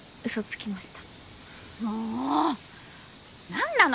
何なの？